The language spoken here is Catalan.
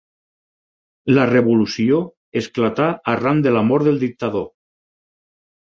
La revolució esclatà arran de la mort del dictador.